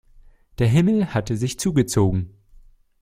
Der Himmel hatte sich zugezogen.